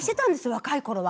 若い頃は。